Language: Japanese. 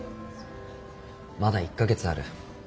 まだ１か月ある。